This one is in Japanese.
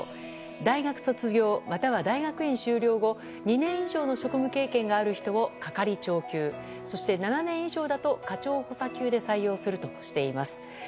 大学卒業または大学院修了後２年以上の職務経験がある人を係長級そして、７年以上だと課長補佐級で採用するとしています。